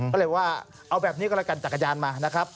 ก็เลยว่าเอาแบบนี้ก็เลยกันจักรยานมา